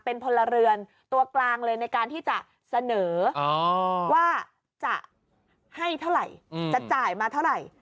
เป็นพลเรือนตัวกลางเลยในการที่จะเสนอว่าจะให้เท่าไหร่จะจ่ายมาเท่าไหร่